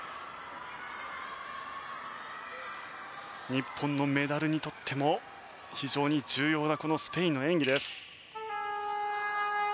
日本のメダルにとっても非常に重要なこのスペインの演技です。